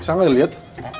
bisa gak dilihat